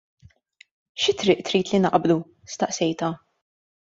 " Xi triq trid li naqbdu? " staqsejtha.